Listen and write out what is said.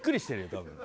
多分。